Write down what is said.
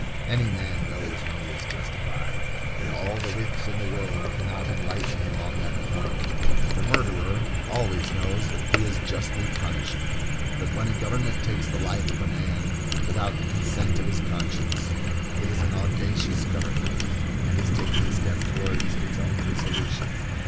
Any man knows when he is justified, and all the wits in the world cannot enlighten him on that point. The murderer always knows that he is justly punished; but when a government takes the life of a man without the consent of his conscience, it is an audacious government, and is taking a step towards its own dissolution.